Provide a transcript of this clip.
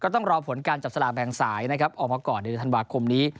ต้องรอผลการจับสลากแบ่งสายนะครับออกมาก่อนในเดือนธันวาคมนี้